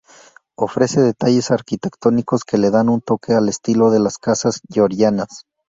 Ofrece detalles arquitectónicos que le dan un toque al estilo de las casas Georgianas.